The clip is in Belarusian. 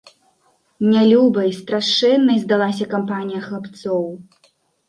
Нялюбай, страшэннай здалася кампанія хлапцоў.